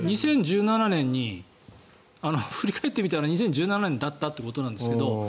２０１７年に振り返ってみたら２０１７年だったってことなんですが。